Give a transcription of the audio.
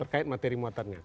terkait materi muatannya